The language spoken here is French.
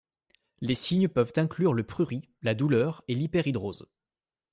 Les signes peuvent inclure le prurit, la douleur et l'hyperhidrose.